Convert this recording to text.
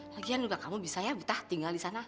lagian udah kamu bisa ya buta tinggal disana